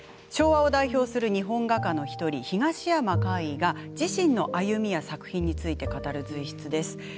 代表する日本画家の１人東山魁夷が自身の歩みや作品について語る随筆です。